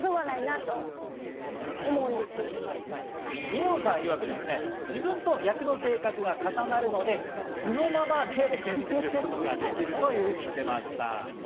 二葉さんいわく、自分と役の性格が重なるので、素のままで演じることができるというふうに言っていました。